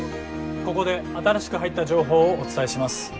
ここで新しく入った情報をお伝えします。